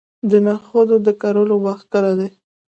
د نخودو د کرلو وخت کله دی؟